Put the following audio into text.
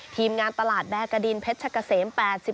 ทีมงานตลาดแบรกดินเพชรกะเสม๘๑